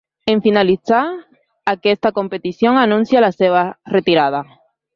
En finalitzar aquesta competició anuncià la seva retirada.